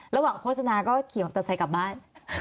ระหว่างโพสนาก็เขียนว่าจะใส่กลับบ้าน